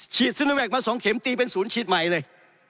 ฉีดซินลุงแว็กซ์มาสองเข็มตีเป็นศูนย์ฉีดใหม่เลย